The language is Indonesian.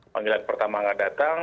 panggilan pertama nggak datang